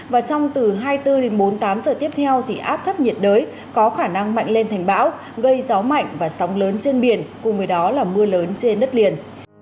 và trong từ hai mươi bốn đến bốn mươi tám giờ tiếp theo thì áp thấp nhiệt đới có khả năng mạnh lên thành bão gây gió mạnh và sóng lớn trên biển cùng với đó là mưa lớn trên đất liền